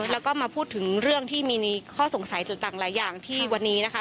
แล้วก็มาพูดถึงเรื่องที่มีข้อสงสัยต่างหลายอย่างที่วันนี้นะคะ